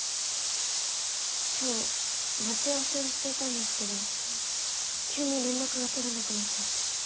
今日待ち合わせをしていたんですけど急に連絡が取れなくなっちゃって。